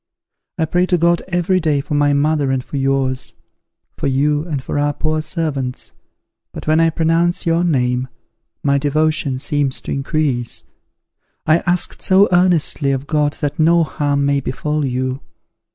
I pray to God every day for my mother and for yours; for you, and for our poor servants; but when I pronounce your name, my devotion seems to increase; I ask so earnestly of God that no harm may befall you!